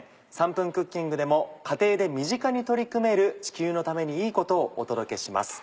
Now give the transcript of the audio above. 『３分クッキング』でも家庭で身近に取り組める地球のためにいいことをお届けします。